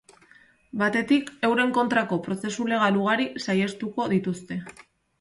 Batetik, euren kontrako prozesu legal ugari saihestuko dituzte.